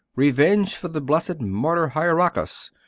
'Revenge for the blessed martyr Hieracas!